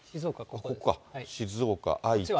ここか、静岡、愛知。